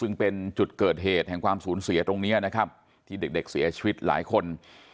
ซึ่งเป็นจุดเกิดเหตุแห่งความสูญเสียตรงนี้นะครับที่เด็กเสียชีวิตหลายคน